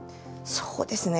そうですね